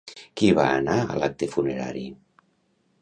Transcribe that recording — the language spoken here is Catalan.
Qui va anar a l'acte funerari?